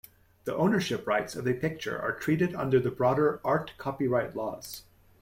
The ownership rights of a picture are treated under the broader "art copyright laws".